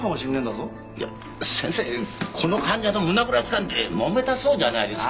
いや先生この患者の胸ぐらつかんで揉めたそうじゃないですか。